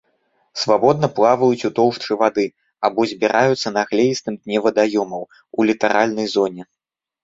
Свабодна плаваюць у тоўшчы вады або збіраюцца на глеістым дне вадаёмаў, у літаральнай зоне.